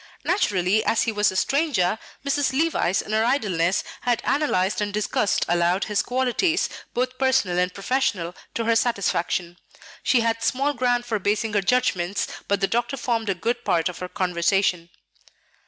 Naturally, as he was a stranger, Mrs. Levice in her idleness had analyzed and discussed aloud his qualities, both personal and professional, to her satisfaction. She had small ground for basing her judgments, but the doctor formed a good part of her conversation.